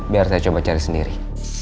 biar saya coba cari sendiri